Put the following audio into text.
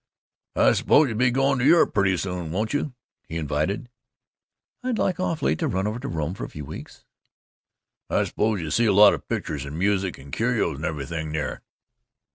"I suppose you'll be going to Europe pretty soon again, won't you?" he invited. "I'd like awfully to run over to Rome for a few weeks." "I suppose you see a lot of pictures and music and curios and everything there."